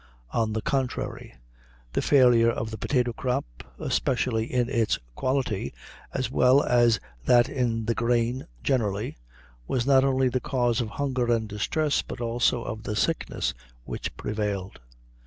On the contrary, the failure of the potato crop, especially in its quality, as well as that in the grain generally, was not only the cause of hunger and distress, but also of the sickness which prevailed.